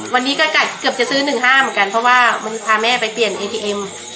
วันนี้ก็เกือบจะซื้อ๑๕เหมือนกันเพราะว่ามันพาแม่ไปเปลี่ยนเอทีเอ็ม